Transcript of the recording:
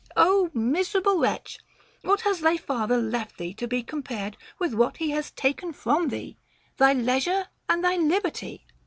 Ο miserable wretch ! What has thy father left thee to be compared with what he has taken from thee, thy leisure and thy liberty'?